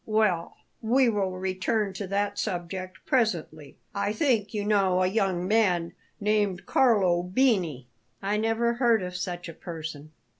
Well, we will return to that subject presently. I think you know a young man named Carlo Bini?" "I never heard of such a person."